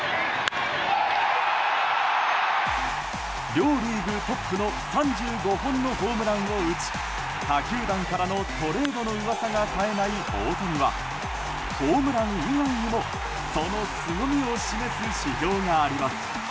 両リーグトップの３５本のホームランを打ち他球団からのトレードの噂が絶えない大谷はホームラン以外にもそのすごみを示す指標があります。